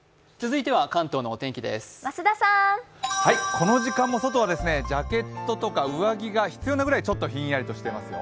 この時間も外はジャケットとか上着が必要なくらいちょっとひんやりとしていますよ。